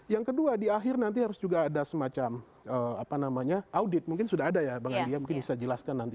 yang kedua di akhir nanti harus juga ada semacam audit mungkin sudah ada ya bang andi ya mungkin bisa jelaskan nanti